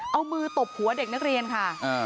เอามือตบหัวเด็กนักเรียนค่ะ